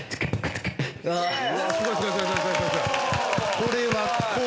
これは。